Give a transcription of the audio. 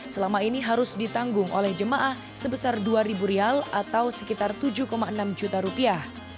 selama ini harus ditanggung oleh jemaah sebesar rp dua atau sekitar rp tujuh enam juta